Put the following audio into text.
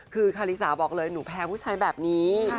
คือคาริสาบอกเลยหนูแพ้ผู้ชายแบบนี้